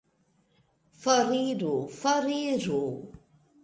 Foriru! Foriru!